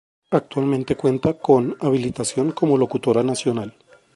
Actualmente cuenta con habilitación como locutora nacional.